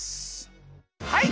はい。